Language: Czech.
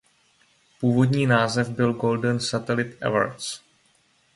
Původní název byl Golden Satellite Awards.